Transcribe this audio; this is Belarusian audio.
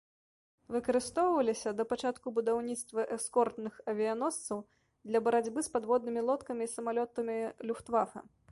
Выкарыстоўваліся да пачатку будаўніцтва эскортных авіяносцаў для барацьбы з падводнымі лодкамі і самалётамі люфтвафэ.